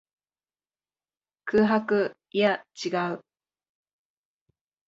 空白。いや、違う。